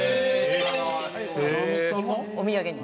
お土産に。